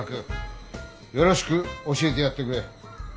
よろしく教えてやってくれ。